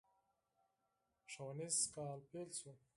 ښوونيز کال پيل شو.